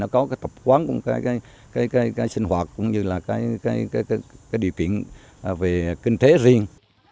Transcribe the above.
có tập quán sinh hoạt cũng như điều kiện về kinh tế riêng